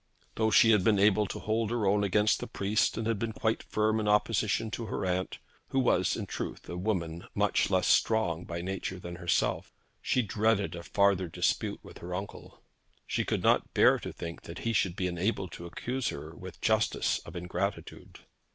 Though she had been able to hold her own against the priest, and had been quite firm in opposition to her aunt, who was in truth a woman much less strong by nature than herself, she dreaded a farther dispute with her uncle. She could not bear to think that he should be enabled to accuse her with justice of ingratitude.